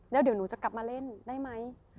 แล้วเดี๋ยวหนูจะกลับมาเล่นได้ไหม